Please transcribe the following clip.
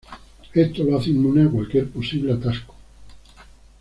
Esto lo hace inmune a cualquier posible atasco.